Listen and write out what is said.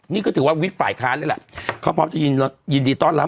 นี่ก็ถือว่าวิกฝ่ายค้านเลยแหละเขาพร้อมจะยินดีต้อนรับ